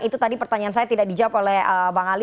itu tadi pertanyaan saya tidak dijawab oleh bang ali